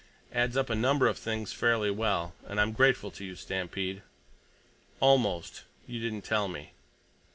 Adds up a number of things fairly well. And I'm grateful to you, Stampede. Almost—you didn't tell me."